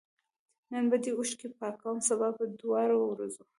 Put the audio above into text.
نن به دي اوښکي پاکوم سبا به دواړه ورځو